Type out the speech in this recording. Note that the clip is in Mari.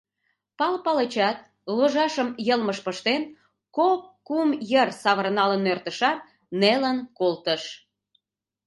— Пал Палычат ложашым, йылмыш пыштен, кок-кум йыр савыралын нӧртышат, нелын колтыш.